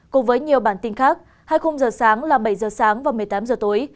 cùng với nhiều bản tin khác hai mươi h sáng là bảy h sáng và một mươi tám h tối